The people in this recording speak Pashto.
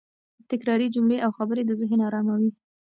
تکراري جملې او خبرې د ذهن اراموي.